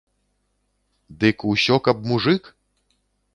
Дык усё каб мужык?